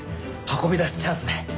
運び出すチャンスだ。